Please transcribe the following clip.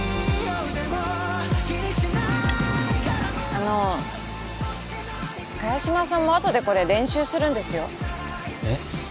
あの萱島さんもあとでこれ練習するんですよえっ？